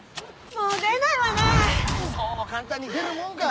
そう簡単に出るもんか。